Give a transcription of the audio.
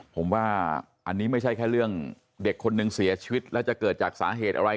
ผมว่าอันนี้ไม่ใช่แค่เรื่องเด็กคนนึงเสียชีวิตแล้วจะเกิดจากสาเหตุอะไร